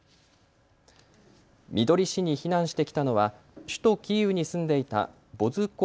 みどり市に避難してきたのは首都キーウに住んでいたボズコ